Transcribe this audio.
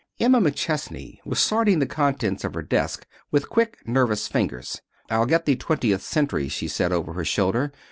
Emma McChesney was sorting the contents of her desk with quick, nervous fingers. "I'll get the Twentieth Century," she said, over her shoulder.